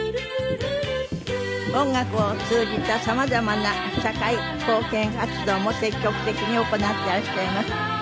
音楽を通じた様々な社会貢献活動も積極的に行っていらっしゃいます。